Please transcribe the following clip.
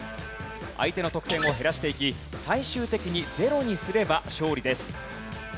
相手の得点を減らしていき最終的にゼロにすれば勝利です。